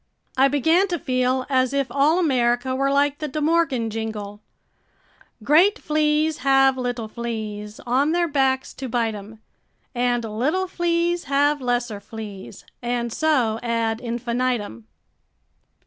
I began to feel as if all America were like the De Morgan jingle: "Great fleas have little fleas On their backs to bite 'em, And little fleas have lesser fleas And so ad infinitum."